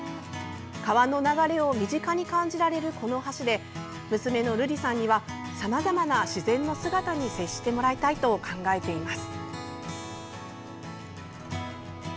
川の流れを身近に感じられるこの橋で、娘の瑠莉さんにはさまざまな自然の姿に接してもらいたいと考えています。